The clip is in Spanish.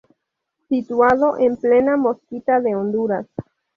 Situado en plena Mosquitia de Honduras.